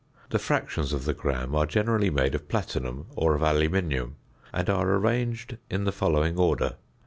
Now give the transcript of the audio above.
The fractions of the gram are generally made of platinum or of aluminium, and are arranged in the following order: 0.